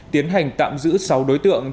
tiến hành tạm giữ sáu đối tượng